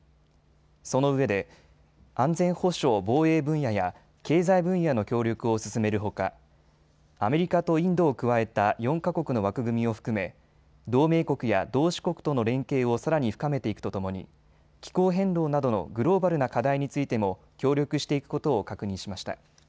そのうえで安全保障・防衛分野や経済分野の協力を進めるほかアメリカとインドを加えた４か国の枠組みを含め同盟国や同志国との連携をさらに深めていくとともに気候変動などグローバルな課題についても協力していくことを確認しました。